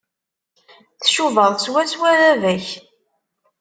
Tcubaḍ swaswa baba-k.